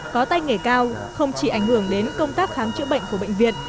có tay nghề cao không chỉ ảnh hưởng đến công tác khám chữa bệnh của bệnh viện